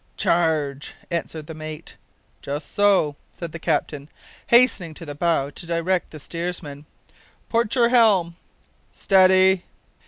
"Charge!" answered the mate. "Just so," said the captain, hastening to the bow to direct the steersman. "Port your helm." "Steady."